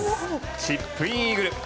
チップインイーグル。